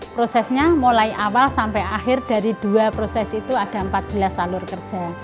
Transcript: prosesnya mulai awal sampai akhir dari dua proses itu ada empat belas alur kerja